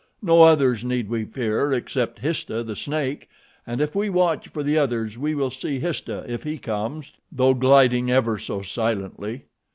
"No others need we fear, except Histah, the snake, and if we watch for the others we will see Histah if he comes, though gliding ever so silently."